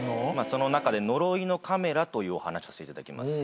その中で「呪いのカメラ」というお話させていただきます。